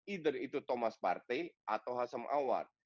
entah itu thomas partey atau hasem awar